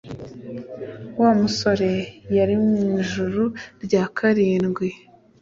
Wa musore yari mu ijuru rya karindwi